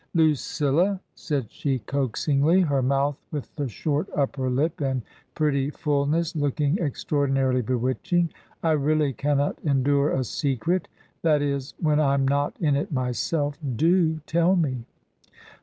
"Lucilla," said she, coaxingly, her mouth with the short upper lip and pretty fulness looking extraordi narily bewitching, " I really cannot endure a secret — that is, when I'm not in it myself Do tell me."